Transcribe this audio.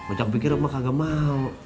ojak pikir emak gak mau